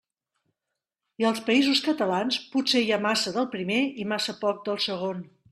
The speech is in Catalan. I als Països Catalans potser hi ha massa del primer i massa poc del segon.